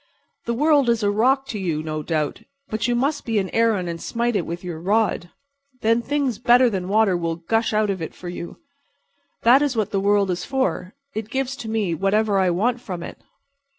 The world is a rock to you, no doubt; but you must be an Aaron and smite it with your rod. Then things better than water will gush out of it for you. That is what the world is for. It gives to me whatever I want from it."